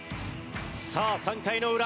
さあ３回の裏。